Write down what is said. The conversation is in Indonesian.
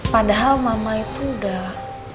padahal mama itu udah